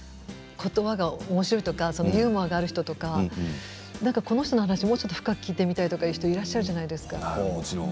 ことばがおもしろいとかユーモアがある人とかこの人の話もう少し深く聞いてみたいという方いらっしゃるじゃないですか。